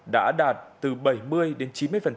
đã đạt từ bảy mươi đến chín mươi